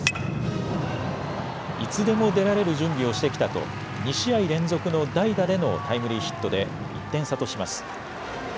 いつでも出られる準備をしてきたと２試合連続の代打でのタイムリーヒットで１点差とします。